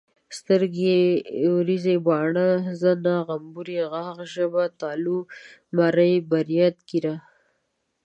سترګي ، وريزي، باڼه، زنه، غمبوري، غاښ، ژبه ،تالو، مرۍ، بريت، ګيره